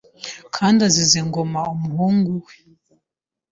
kandi azize Ngoma umuhungu we